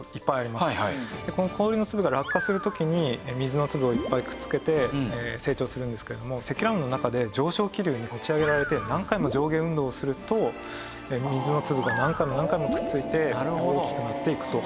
この氷の粒が落下する時に水の粒をいっぱいくっつけて成長するんですけれども積乱雲の中で上昇気流に持ち上げられて何回も上下運動をすると水の粒が何回も何回もくっついて大きくなっていくと。